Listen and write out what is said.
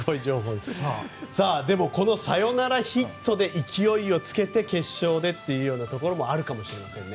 サヨナラヒットで勢いをつけて決勝でということもあるかもしれませんね。